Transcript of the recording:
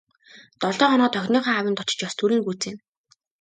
Долоо хоноод охиныхоо аавынд очиж ёс төрийг нь гүйцээнэ.